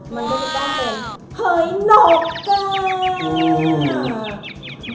มันก็จะต้องเป็นเฮ้ยนกอ่ะ